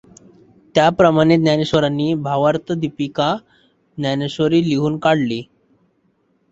त्याप्रमाणे ज्ञानेश्वरांनी भावार्थदीपिका ज्ञानेश्वरी लिहून काढली.